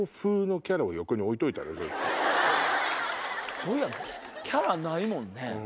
そういやキャラないもんね。